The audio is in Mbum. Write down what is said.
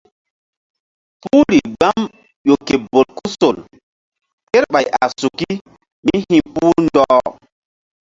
Puhri gbam ƴo ke bolkusol kerɓay a suki mí hi̧puh ɗɔh.